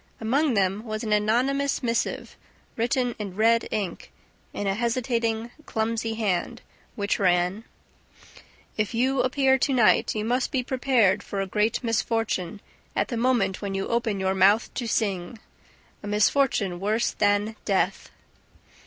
Among them was an anonymous missive, written in red ink, in a hesitating, clumsy hand, which ran: If you appear to night, you must be prepared for a great misfortune at the moment when you open your mouth to sing ... a misfortune worse than death.